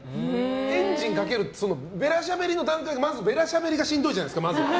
エンジンかけるってベラしゃべりの段階でまずベラしゃべりがしんどいじゃないですか。